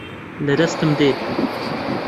لە دەستم دێ